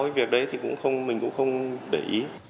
cái việc đấy thì mình cũng không để ý